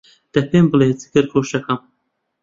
دە پێم بڵێ، جگەرگۆشەم،